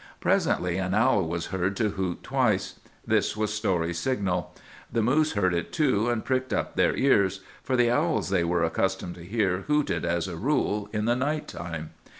"Presently an owl was heard to hoot twice. This was Story's signal. The moose heard it too, and pricked up their ears; for the owls they were accustomed to hear hooted, as a rule, in the night time.